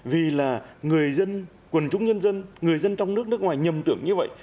vì là người dân quần chúng nhân dân người dân trong nước nước ngoài nhầm tưởng như vậy